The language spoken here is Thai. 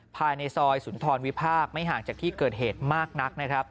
ภายในซอยสุนทรวิพากษ์ไม่ห่างจากที่เกิดเหตุมากนักนะครับ